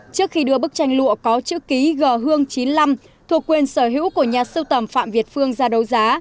trước khi đưa bức tranh lụa có chữ ký g hương chín mươi năm thuộc quyền sở hữu của nhà sưu tầm phạm việt phương ra đấu giá